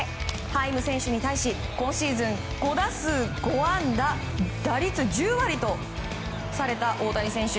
ハイム選手に対し今シーズン５打数５安打打率１０割と、大谷選手